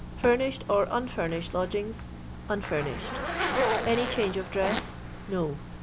Famished or unfurnished lodgings 1 — Unfur nished. Any change of dress ^— No.